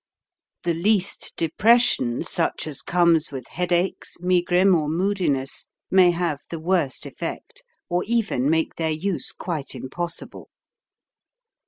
The least depression such as comes with head aches, megrim, or moodiness may have the worst effect, or even make their use quite im possible.